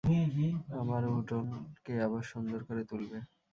আমার উঠোন কে আবার সুন্দর করে তুলবে।